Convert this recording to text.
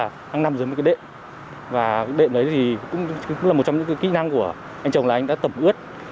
đang nằm dưới một cái đệm và đệm đấy thì cũng là một trong những kỹ năng của anh chồng là anh đã tẩm ướt